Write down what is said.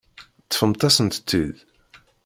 Ṭṭfemt-asent-t-id.